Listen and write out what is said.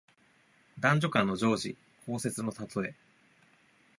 男女間の情事、交接のたとえ。